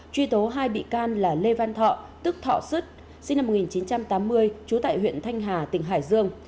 truy tố hai bị can là lê văn thọ tức thọ xuất sinh năm một nghìn chín trăm tám mươi trú tại huyện thanh hà tỉnh hải dương